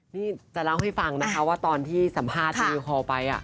นี่จะเล่าให้ฟังนะครับว่าตอนที่สัมภาษณ์ที่พอไป